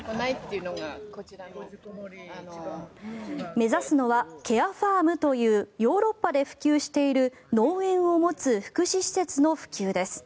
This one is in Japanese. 目指すのはケアファームというヨーロッパで普及している農園を持つ福祉施設の普及です。